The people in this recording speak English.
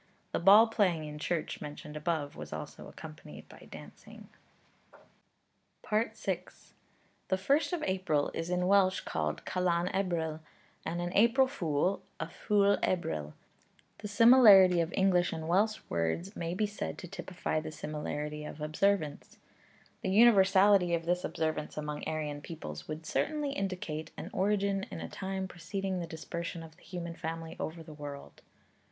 The ball playing in church mentioned above was also accompanied by dancing. FOOTNOTES: 'Arch. Camb.' 4 Se., iii., 333. Malkin's 'South Wales,' 281. VI. The first of April is in Welsh called Calan Ebrill, and an April Fool a Ffwl Ebrill; the similarity of English and Welsh words may be said to typify the similarity of observance. The universality of this observance among Aryan peoples would certainly indicate an origin in a time preceding the dispersion of the human family over the world.